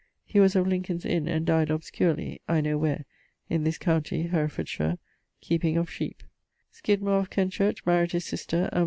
He was of Lincolns Inne, and dyed obscurely (I know where) in this county , keeping of sheepe. ... Skydmore of Kenchurch married his sister, and